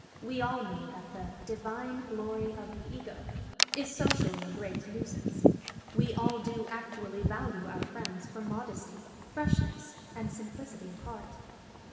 We all know that the divine glory of the ego" is socially a great nuisance; we all do actually value our friends for modesty, freshness, and simplicity of heart.